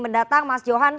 terima kasih mas johan